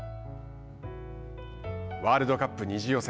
ワールドカップ２次予選